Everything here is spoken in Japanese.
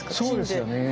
そうですよね。